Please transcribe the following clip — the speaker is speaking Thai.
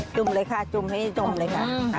ุ่มเลยค่ะจุ่มให้จมเลยค่ะ